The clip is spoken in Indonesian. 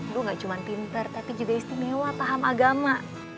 gue gak cuma pinter tapi juga istimewa paham agama